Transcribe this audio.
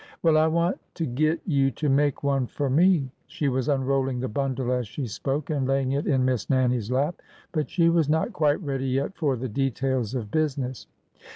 " Well, I want to git you to make one fur me." She was unrolling the bundle as she spoke and laying it in Miss Nannie's lap. But she was not quite ready yet for the details of business.